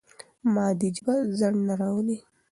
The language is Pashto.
مادي ژبه ځنډ نه راولي.